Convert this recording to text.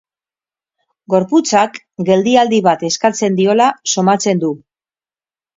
Gorputzak geldialdi bat eskatzen diola somatzen du.